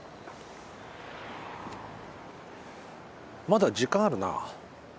まだ時間あるな。